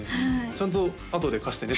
ちゃんとあとで貸してね？